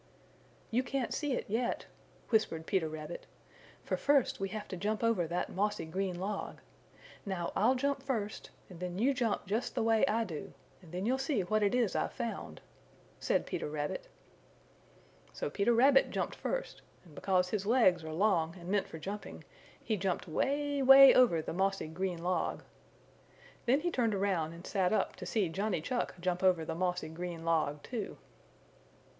"You can't see it yet," whispered Peter Rabbit, "for first we have to jump over that mossy green log. Now I'll jump first, and then you jump just the way I do, and then you'll see what it is I've found," said Peter Rabbit. So Peter Rabbit jumped first, and because his legs are long and meant for jumping, he jumped way, way over the mossy green log. Then he turned around and sat up to see Johnny Chuck jump over the mossy green log, too.